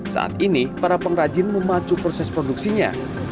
saat ini para pengrajin memacu proses produksinya